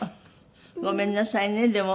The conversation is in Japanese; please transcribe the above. ごめんなさいねでも。